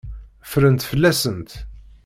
Ffrent fell-asent.